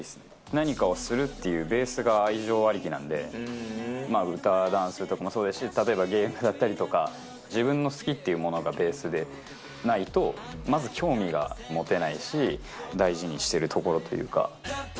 何かをするっていうベースが、愛情ありきなんで、歌、ダンスとかもそうですし、例えばゲームだったりとか、自分の好きっていうものがベースでないと、まず興味が持てないし、大事にしてるところというか。